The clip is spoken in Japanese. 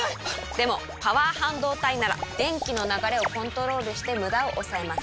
でもパワー半導体なら電気の流れをコントロールしてムダを抑えます。